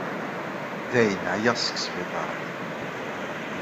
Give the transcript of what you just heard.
Dayen, ɛyiɣ seg sbiṭarat.